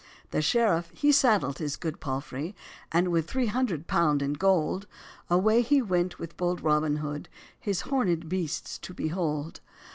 The sheriff he saddled his good palfrèy, And, with three hundred pound in gold, Away he went with bold Robin Hood, His horned beasts to behold.